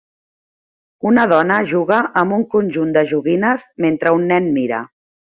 Una dona juga amb un conjunt de joguines mentre un nen mira.